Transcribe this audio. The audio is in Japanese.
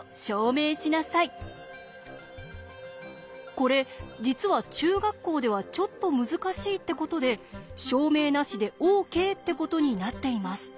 これ実は中学校ではちょっと難しいってことで証明なしでＯＫってことになっています。